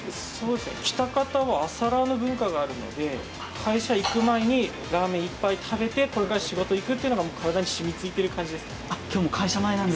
喜多方は朝ラーの文化があるので会社行く前にラーメン１杯食べてこれから仕事に行くというのが体に染みついている感じですね。